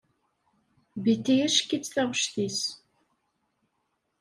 Betty acek-itt taɣect-is.